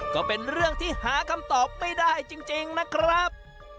ก็เป็นเรื่องที่หาคำตอบไม่ได้จริงนะครับ